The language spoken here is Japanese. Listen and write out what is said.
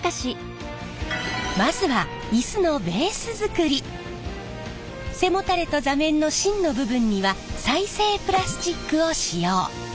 まずは背もたれと座面の芯の部分には再生プラスチックを使用。